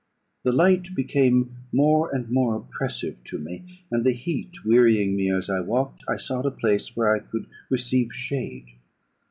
The light became more and more oppressive to me; and, the heat wearying me as I walked, I sought a place where I could receive shade.